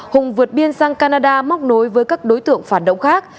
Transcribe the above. hùng vượt biên sang canada móc nối với các đối tượng phản động khác